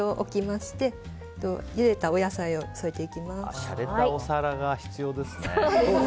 しゃれたお皿が必要ですね。